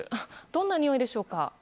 どんなにおいでしょうか？